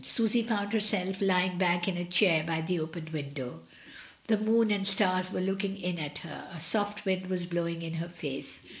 Susy found herself lying back in a chair by the open window, the moon and stars were look ing in at her, a soft wind was blowing in her face.